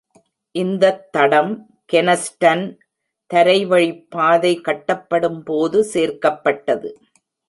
இந்தத் தடம் கெனஸ்டன் தரைவழிப் பாதை கட்டப்படும்போது சேர்க்கப்பட்டது.